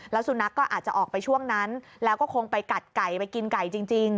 แล้วสุนัขก็อาจจะออกไปช่วงนั้นแล้วก็คงไปกัดไก่ไปกินไก่จริง